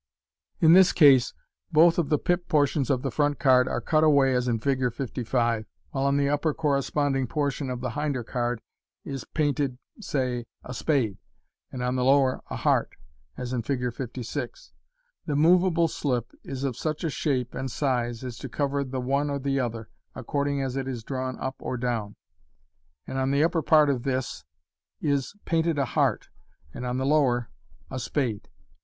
In this case b th of the "pip" portions of the front card are cut away as in Fig. 55, while on the upper corre A fP> ill Fig. 55. Fig. 56. Fig. 57. sponding portion of the hinder card is painted (say) a spade, and on the lower a heart, as in Fig. 56. The move, able slip is of such a shape and size as to cover the one or the other, according as it is drawn up or down; and on the upper part of this (ste Fig. 57) is painted a heart, and on the lower a spade.